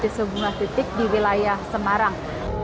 di sebuah titik di wilayah semarang